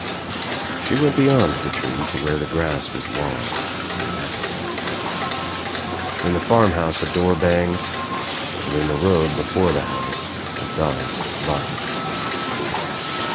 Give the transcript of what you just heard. She went beyond the tree to where the grass was long and matted. In the farmhouse a door bangs and in the road before the house a dog barked.